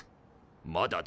まだだ。